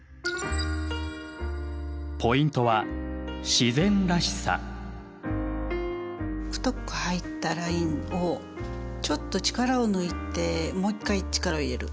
ポイントは太く入ったラインをちょっと力を抜いてもう一回力を入れる。